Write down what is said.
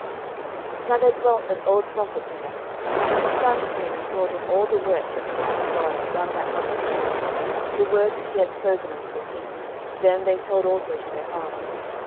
11:013:011 Now there dwelt an old prophet in Bethel; and his sons came and told him all the works that the man of God had done that day in Bethel: the words which he had spoken unto the king, them they told also to their father.